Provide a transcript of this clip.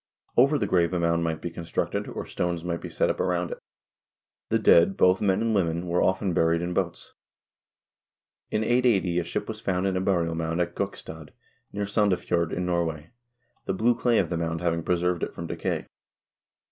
Over the grave a mound might be constructed, or stones might be set up around it. The dead, both men and women, were often buried in boats. In 1880 a ship was found in a burial mound at Gokstad, near Sandefjord, in Norway, the blue clay of the mound having preserved it from decay.